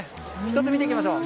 １つ見ていきましょう。